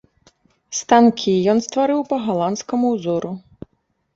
Станкі ён стварыў па галандскаму ўзору.